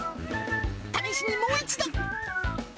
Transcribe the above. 試しにもう一度。